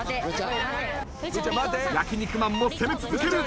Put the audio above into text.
焼肉マンも攻め続ける。